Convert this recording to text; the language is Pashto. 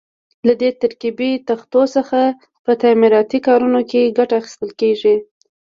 له دې ترکیبي تختو څخه په تعمیراتي کارونو کې ګټه اخیستل کېږي.